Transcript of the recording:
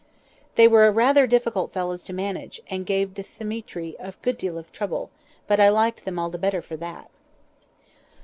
They were rather difficult fellows to manage, and gave Dthemetri a good deal of trouble, but I liked them all the better for that.